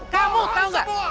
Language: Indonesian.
kamu tahu nggak